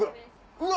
うわ！